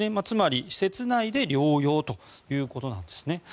つまり施設内で療養ということなんですね。